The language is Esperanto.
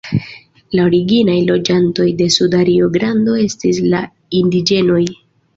La originaj loĝantoj de Suda Rio-Grando estis la indiĝenoj.